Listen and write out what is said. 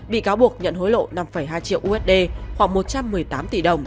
bị cáo buộc nhận hối lộ năm hai triệu usd khoảng một trăm một mươi tám tỷ đồng